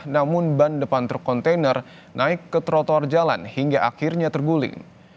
namun ban depan truk kontainer naik ke trotoar jalan hingga akhirnya terguling